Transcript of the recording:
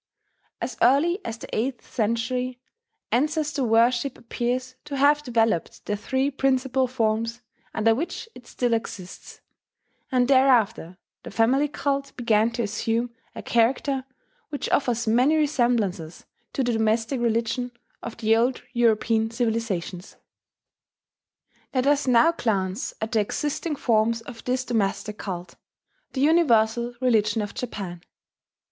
As early as the eighth century, ancestor worship appears to have developed the three principal forms under which it still exists; and thereafter the family cult began to assume a character which offers many resemblances to the domestic religion of the old European civilizations. Let us now glance at the existing forms of this domestic cult, the universal religion of Japan.